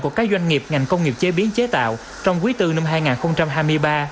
của các doanh nghiệp ngành công nghiệp chế biến chế tạo trong quý iv năm hai nghìn hai mươi ba